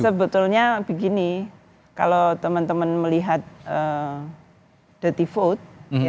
sebetulnya begini kalau teman teman melihat dati vote